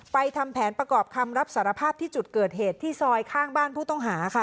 ทำแผนประกอบคำรับสารภาพที่จุดเกิดเหตุที่ซอยข้างบ้านผู้ต้องหาค่ะ